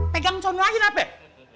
pegang sono aja nafek